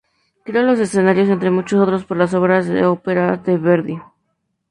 Creó los escenarios, entre muchos otros, por las obras de óperas de Verdi.